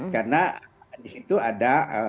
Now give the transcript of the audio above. karena di situ ada